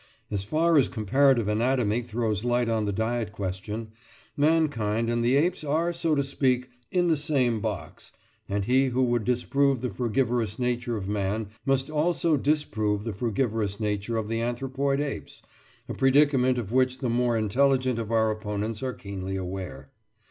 As far as comparative anatomy throws light on the diet question, mankind and the apes are, so to speak, "in the same box," and he who would disprove the frugivorous nature of man, must also disprove the frugivorous nature of the anthropoid apes, a predicament of which the more intelligent of our opponents are keenly aware.